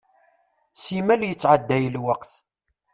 Simmal yettɛedday lweqt.